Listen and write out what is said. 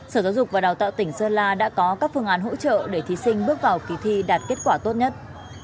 sở giáo dục và đào tạo tỉnh sơn la đã có các phương án hỗ trợ để thí sinh bước vào kỳ thi đạt kết quả tốt nhất